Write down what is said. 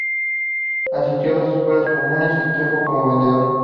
Asistió a las escuelas comunes, y trabajó como vendedor.